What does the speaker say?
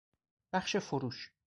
بخش فروش